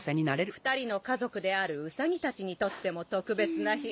２人の家族であるウサギたちにとっても特別な日。